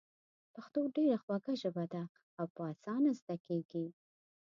پښتو ډېره خوږه ژبه ده او په اسانه زده کېږي.